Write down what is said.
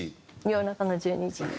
夜中の１２時。